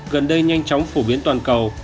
gần đây nhanh chóng phổ biến toàn cầu